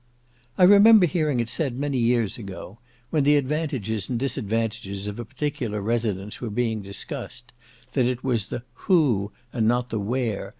I remember hearing it said, many years ago, when the advantages and disadvantages of a particular residence were being discussed, that it was the "who?" and not the "where?"